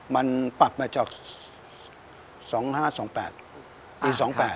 ๒๕๕๘มันปรับมาจาก๒๕๒๘อีก๒๘